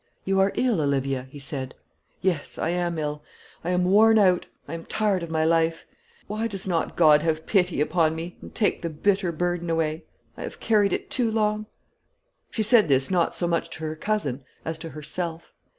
"You are ill, Olivia," he said. "Yes, I am ill; I am worn out; I am tired of my life. Why does not God have pity upon me, and take the bitter burden away? I have carried it too long." She said this not so much to her cousin as to herself.